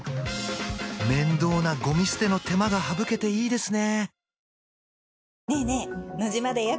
面倒なゴミ捨ての手間が省けていいですね